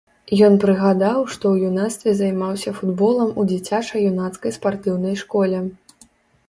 Ён прыгадаў, што ў юнацтве займаўся футболам у дзіцяча-юнацкай спартыўнай школе.